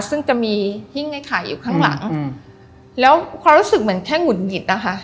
ซึ่งจะมีหิ้งไอ้ไข่อยู่ข้างหลังแล้วความรู้สึกเหมือนแค่หงุดหงิดนะคะ